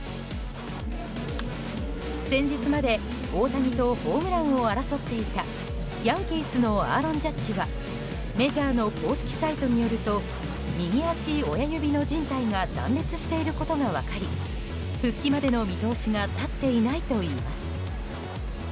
先日まで大谷とホームランを争っていたヤンキースのアーロン・ジャッジはメジャーの公式サイトによると右足親指のじん帯が断裂していることが分かり復帰までの見通しが立っていないといいます。